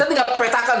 jadi kita petakan